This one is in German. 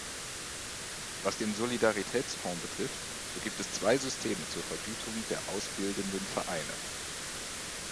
Was den Solidaritätsfonds betrifft, so gibt es zwei Systeme zur Vergütung der ausbildenden Vereine.